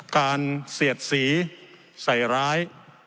การเศียดสีใส่ร้าย